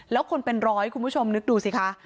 แล้วคนเป็นร้อยคุณผู้ชมนึกดูสิคะ